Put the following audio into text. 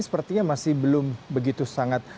sepertinya masih belum begitu sangat